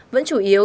năm tám vẫn chủ yếu